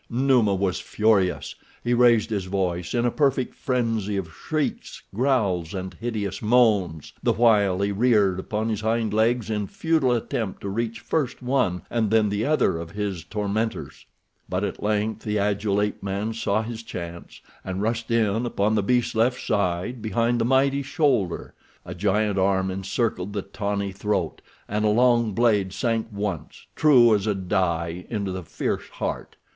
Numa was furious. He raised his voice in a perfect frenzy of shrieks, growls, and hideous moans, the while he reared upon his hind legs in futile attempt to reach first one and then the other of his tormentors. But at length the agile ape man saw his chance, and rushed in upon the beast's left side behind the mighty shoulder. A giant arm encircled the tawny throat, and a long blade sank once, true as a die, into the fierce heart.